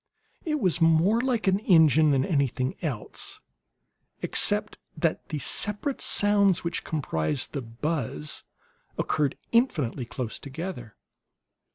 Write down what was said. It was more like an engine than anything else, except that the separate sounds which comprised the buzz occurred infinitely close together.